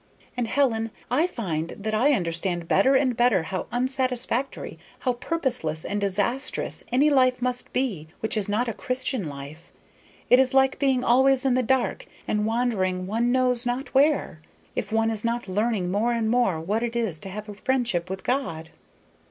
And, Helen, I find that I understand better and better how unsatisfactory, how purposeless and disastrous, any life must be which is not a Christian life! It is like being always in the dark, and wandering one knows not where, if one is not learning more and more what it is to have a friendship with God."